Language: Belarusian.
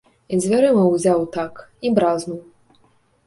І дзвярыма ўзяў так, і бразнуў.